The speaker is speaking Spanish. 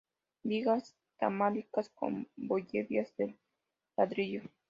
Vigas metálicas con bovedillas de ladrillo.